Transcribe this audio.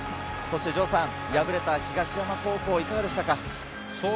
敗れた東山高校、いかがでしたか？